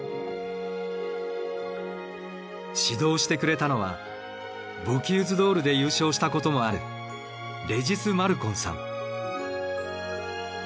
指導してくれたのはボキューズ・ドールで優勝したこともあるレジス・マルコンさん。